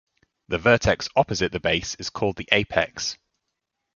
The vertex opposite the base is called the apex.